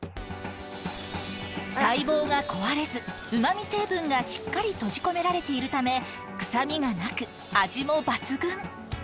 細胞が壊れずうま味成分がしっかり閉じ込められているため臭みがなく味も抜群！